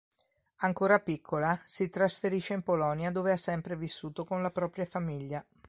Ancora piccola, si trasferisce in Polonia dove ha sempre vissuto con la propria famiglia.